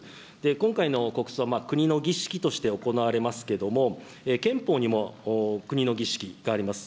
今回の国葬、国の儀式として行われますけども、憲法にも国の儀式があります。